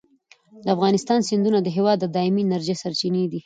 د افغانستان سیندونه د هېواد د دایمي انرژۍ سرچینې دي.